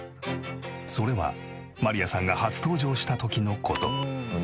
それはマリアさんが初登場した時の事。